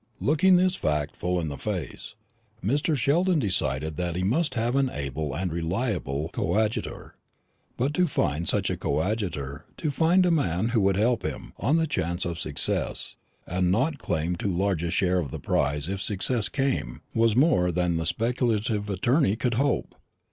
Looking this fact full in the face, Mr. Sheldon decided that he must have an able and reliable coadjutor; but to find such a coadjutor, to find a man who would help him, on the chance of success, and not claim too large a share of the prize if success came, was more than the speculative attorney could hope.